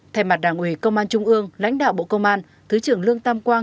thay mặt đảng ủy công an trung ương lãnh đạo bộ công an thứ trưởng lương tam quang